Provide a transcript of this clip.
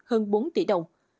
hơn bốn tỷ đồng